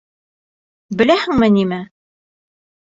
Беләһеңме нимә?